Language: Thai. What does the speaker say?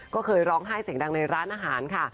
ก็เคยร้องไห้เสียงดังในร้านอาหารค่ะ